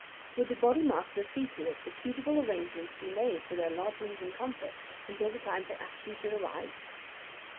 Would the Bodymaster see to it that suitable arrangements be made for their lodgings and comfort until the time for action should arrive?